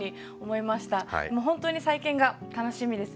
本当に再建が楽しみです。